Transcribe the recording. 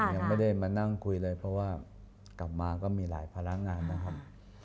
ยังไม่ได้มานั่งคุยเลยเพราะว่ากลับมาก็มีหลายภาระงานนะครับ